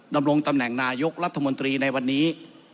ดำรงตำแหน่งนายกรัฐมนตรีในวันนี้